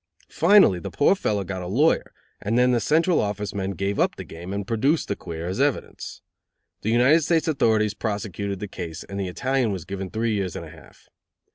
Finally the poor fellow got a lawyer, and then the Central Office men gave up the game, and produced the queer as evidence. The United States authorities prosecuted the case, and the Italian was given three years and a half.